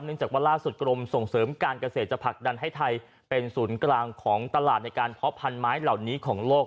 จากว่าล่าสุดกรมส่งเสริมการเกษตรจะผลักดันให้ไทยเป็นศูนย์กลางของตลาดในการเพาะพันไม้เหล่านี้ของโลก